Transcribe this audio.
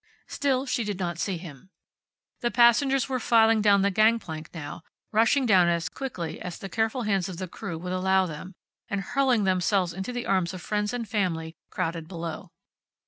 Still she did not see him. The passengers were filing down the gangplank now; rushing down as quickly as the careful hands of the crew would allow them, and hurling themselves into the arms of friends and family crowded below.